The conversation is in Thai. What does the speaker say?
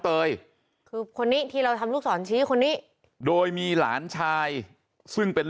เตยคือคนนี้ที่เราทำลูกศรชี้คนนี้โดยมีหลานชายซึ่งเป็น